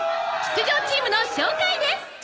出場チームの紹介です。